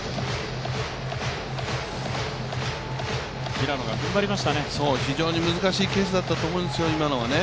平野がふんばりましたね。